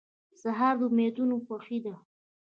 سهار د امیدونو خوښي ده.